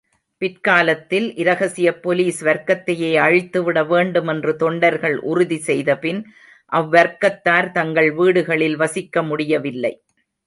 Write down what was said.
பிற்காலத்தில் இரகசியப் போலிஸ் வர்க்கத்தையே அழித்து விடவேண்டும் என்று தொண்டர்கள் உறுதி செய்தபின் அவ்வர்க்கத்தார் தங்கள் வீடுகளில் வசிக்கமுடியவில்லை.